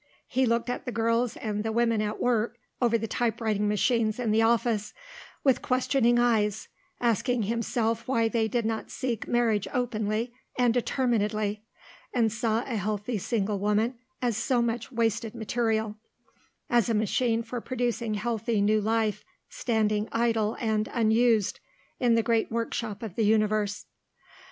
He looked at the girls and the women at work over the typewriting machines in the office, with questioning eyes, asking himself why they did not seek marriage openly and determinedly, and saw a healthy single woman as so much wasted material, as a machine for producing healthy new life standing idle and unused in the great workshop of the universe.